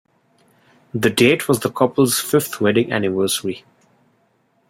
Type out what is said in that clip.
The date was the couple's fifth wedding anniversary.